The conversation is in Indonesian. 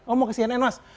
oh mau ke cnn mas